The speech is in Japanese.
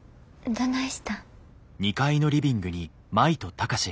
どないしたん？